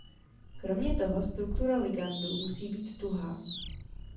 Kromě toho struktura ligandu musí být tuhá.